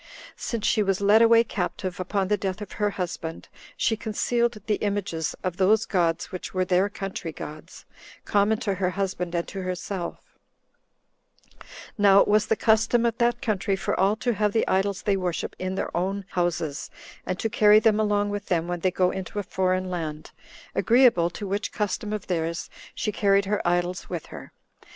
Since she was led away captive, upon the death of her husband, she concealed the images of those gods which were their country gods, common to her husband and to herself: now it was the custom 36 of that country for all to have the idols they worship in their own houses, and to carry them along with them when they go into a foreign land; agreeable to which custom of theirs she carried her idols with her.